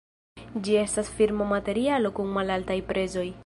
Ĝi estas firma materialo kun malaltaj prezoj.